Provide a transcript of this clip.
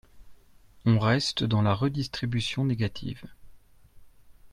On reste dans la redistribution négative.